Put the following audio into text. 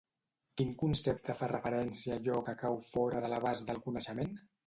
Quin concepte fa referència a allò que cau fora de l'abast del coneixement?